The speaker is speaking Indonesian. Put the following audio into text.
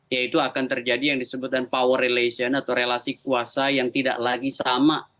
yaitu akan terjadi yang disebutkan power relation atau relasi kuasa yang tidak lagi sama